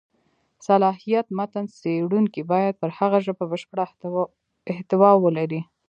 صلاحیت: متن څېړونکی باید پر هغه ژبه بشېړه احتوا ولري.